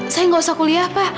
saya nggak usah kuliah pak